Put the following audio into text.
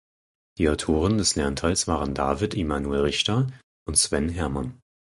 Die Autoren des Lernteils waren David Immanuel Richter und Sven Hermann.